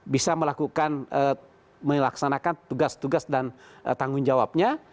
bisa melakukan melaksanakan tugas tugas dan tanggung jawabnya